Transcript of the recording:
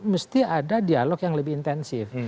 mesti ada dialog yang lebih intensif